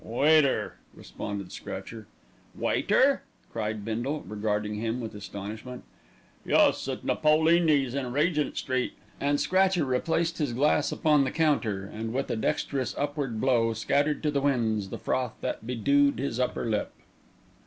"Waiter," responded Scratcher. "Waiter!" cried Bindle, regarding him with astonishment. "Yus; at Napolini's in Regent Street;" and Scratcher replaced his glass upon the counter and, with a dexterous upward blow, scattered to the winds the froth that bedewed his upper lip.